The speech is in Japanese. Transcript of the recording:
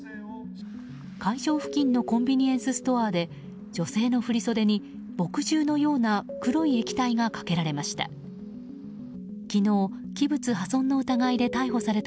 会場付近のコンビニエンスストアで女性の振り袖に墨汁のような黒い液体がかけられました。